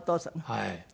はい。